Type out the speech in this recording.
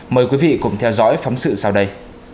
mời quý vị cùng theo dõi phóng sự sau đây